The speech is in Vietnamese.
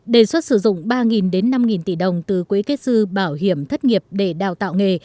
đề xuất sử dụng ba đến năm tỷ đồng từ quỹ kết sư bảo hiểm thất nghiệp để đào tạo nghề